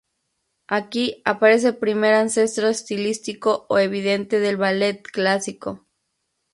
Aquí aparece el primer ancestro estilístico evidente del ballet clásico.